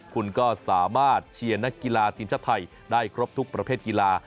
คุณก็สามารถเชียร์นักกีฬาทีมชาติไทยได้ครบทุกประเภทกีฬา